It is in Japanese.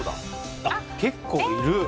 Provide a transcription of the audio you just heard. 結構いる。